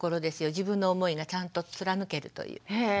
自分の思いがちゃんと貫けるという。